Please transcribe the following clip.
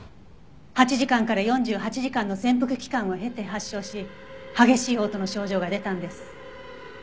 ８時間から４８時間の潜伏期間を経て発症し激しい嘔吐の症状が出たんです。